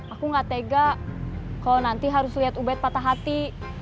aku gak tega kalau nanti harus lihat ubed patah hati